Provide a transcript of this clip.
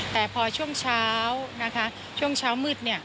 แต่พอช่วงเช้านะคะช่วงเช้ามืด